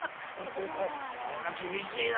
それは厳しいな。